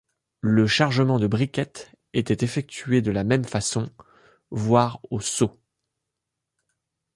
Le chargement de briquettes était effectué de la même façon, voire aux seaux.